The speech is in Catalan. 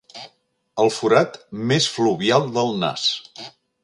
El forat més fluvial del nas.